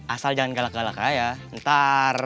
asal jangan galak galak kaya ntar